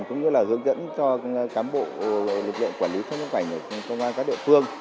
cũng như là hướng dẫn cho cán bộ lực lượng quản lý xuất nhập cảnh công an các địa phương